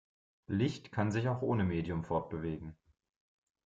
Licht kann sich auch ohne Medium fortbewegen.